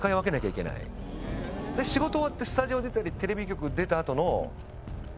仕事終わってスタジオ出たりテレビ局出た後の。